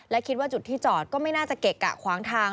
และคิดว่าจุดที่จอดก็ไม่น่าจะเกะกะขวางทาง